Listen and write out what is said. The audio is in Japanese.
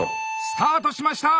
スタートしました。